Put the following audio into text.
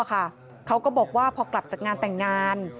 เขาก็บอกว่าพอกลับจากงานแต่งงาน